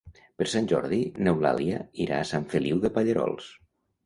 Per Sant Jordi n'Eulàlia irà a Sant Feliu de Pallerols.